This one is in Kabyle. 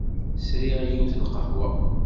Sriɣ yiwet n lqahwa.